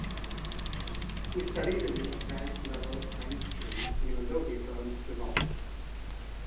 He studied in the Advanced Level Science stream even though he turned to law.